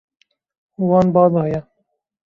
Wan ba daye.